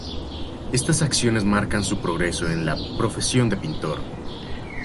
Estas acciones marcan su progreso en la "profesión de pintor".